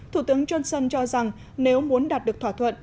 thủ tướng johnson cho rằng nếu muốn đạt được thỏa thuận